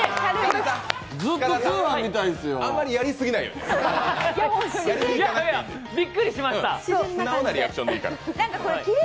あんまりやり過ぎないように。